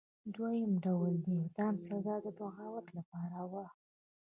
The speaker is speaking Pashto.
دویم ډول د اعدام سزا د بغاوت لپاره وه.